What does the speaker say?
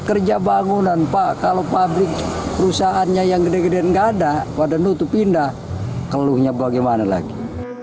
kerja bangunan pak kalau pabrik perusahaannya yang gede gedean nggak ada pada nutup pindah keluhnya bagaimana lagi